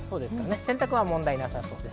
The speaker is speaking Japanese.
洗濯は問題なさそうです。